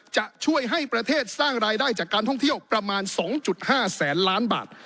จะช่วยให้ประเทศสร้างรายได้จากการท่องเที่ยวประมาณ๒๕แสนล้านบาท